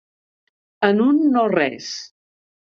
En un no res.